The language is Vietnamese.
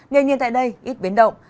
nền nhiệt tại đây ít biến động